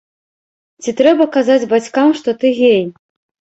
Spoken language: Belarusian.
Ці трэба казаць бацькам, што ты гей?